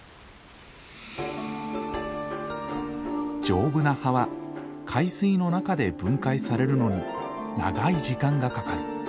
丈夫な葉は海水の中で分解されるのに長い時間がかかる。